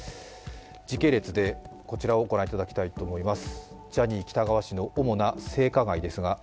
時系列でこちらをご覧いただきたいと思います